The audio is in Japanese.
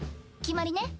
決まりね。